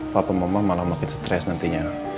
papa mama malah makin stres nantinya